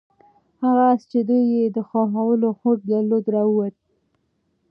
هغه آس چې دوی یې د ښخولو هوډ درلود راووت.